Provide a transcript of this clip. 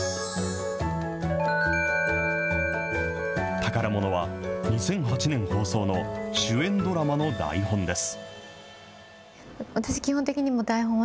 宝ものは、２００８年放送の主演ドラマの台本です。